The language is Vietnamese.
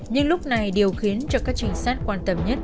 nhưng lúc này điều khiến cho các trinh sát quan tâm nhất